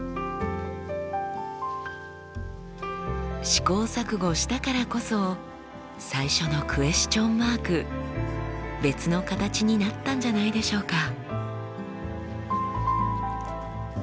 試行錯誤したからこそ最初のクエスチョンマーク別の形になったんじゃないでしょうか？